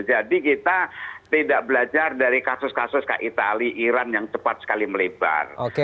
jadi kita tidak belajar dari kasus kasus kayak itali iran yang cepat sekali melebar